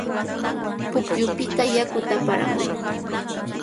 Pukyupita yakuta aparamuy.